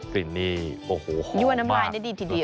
กลิ่นนี่โอ้โหหอมมาก